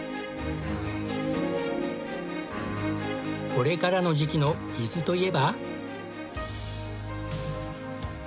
これからの時期の伊豆といえば。